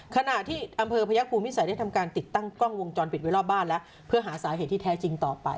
ขณะที่อำเภอพยักษภูมิพิสัยได้ทำการติดตั้งกล้องวงจรปิดไว้รอบบ้านแล้วเพื่อหาสาเหตุที่แท้จริงต่อไป